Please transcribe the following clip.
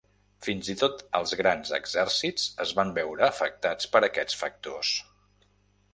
Fins i tot els grans exèrcits es van veure afectats per aquests factors.